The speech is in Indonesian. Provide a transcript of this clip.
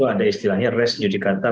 ada istilahnya res judikata